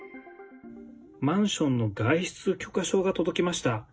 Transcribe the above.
マンションの外出許可証が届きました。